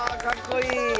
かっこいい！